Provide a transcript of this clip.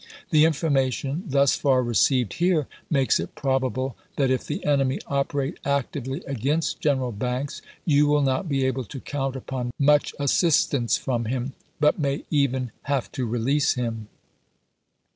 The information thus far received here makes it probable that ^^. if the enemy operate actively against General Banks you voi.'xii.. will not be able to count upon much assistance from him, p. 219. "' but may even have to release him.